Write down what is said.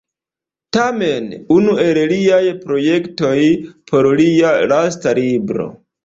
Tamen, unu el liaj projektoj por lia lasta libro.